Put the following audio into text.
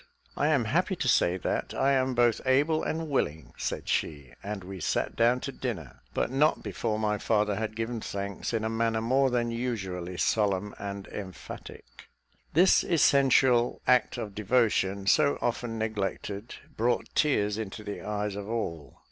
"I am happy to say that I am both able and willing," said she, and we sat down to dinner, but not before my father had given thanks in a manner more than usually solemn and emphatic. This essential act of devotion, so often neglected, brought tears into the eyes of all.